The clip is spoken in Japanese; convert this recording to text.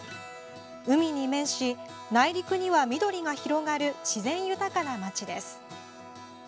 海に面し、内陸には緑が広がる自然豊かな街です。